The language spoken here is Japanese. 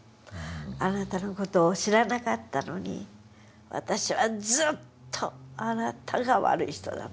あなたの事を知らなかったのに私はずっとあなたが悪い人だと思ってた」。